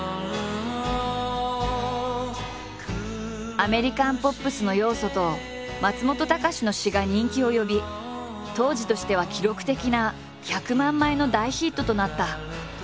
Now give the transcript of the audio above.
アメリカンポップスの要素と松本隆の詞が人気を呼び当時としては記録的な１００万枚の大ヒットとなった。